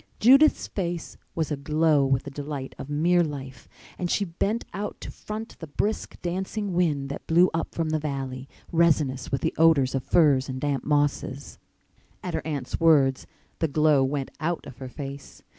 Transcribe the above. Judith's face was aglow with the delight of mere life and she bent out to front the brisk, dancing wind that blew up from the valley, resinous with the odors of firs and damp mosses. At her aunt's words the glow went out of her face.